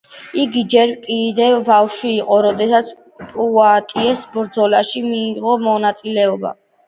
იგი ჯერ კიდევ ბავშვი იყო, როდესაც პუატიეს ბრძოლაში მიიღო მონაწილეობა.